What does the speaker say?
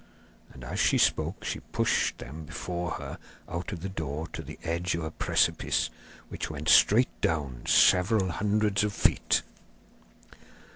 And as she spoke she pushed them before her out of the door to the edge of a precipice, which went straight down several hundreds of feet.